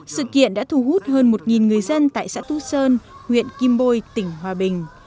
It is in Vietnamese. sự kiện đã thu hút hơn một người dân tại xã tú sơn huyện kim bôi tỉnh hòa bình